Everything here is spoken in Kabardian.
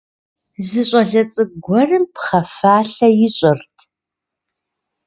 Зы щӏалэ цӏыкӏу гуэрым пхъэ фалъэ ищӏырт.